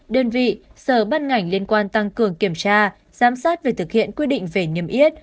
đơn vị sở bắt ngảnh liên quan tăng cường kiểm tra giám sát về thực hiện quy định về nghiêm yết